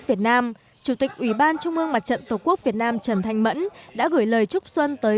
việt nam chủ tịch ủy ban trung ương mặt trận tổ quốc việt nam trần thanh mẫn đã gửi lời chúc xuân tới